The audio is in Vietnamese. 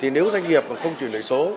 nếu doanh nghiệp không chuyển đổi số